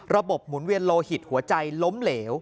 หมุนเวียนโลหิตหัวใจล้มเหลว